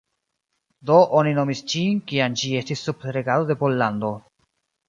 Do oni nomis ĝin, kiam ĝi estis sub regado de Pollando.